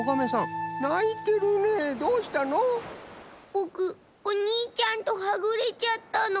ぼくおにいちゃんとはぐれちゃったの。